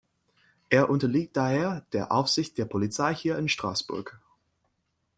Er unterliegt daher der Aufsicht der Polizei hier in Straßburg.